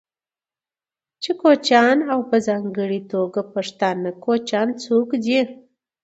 چې کوچيان او په ځانګړې توګه پښتانه کوچيان څوک دي،